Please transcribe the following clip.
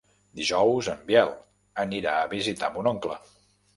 Dijous en Biel anirà a visitar mon oncle.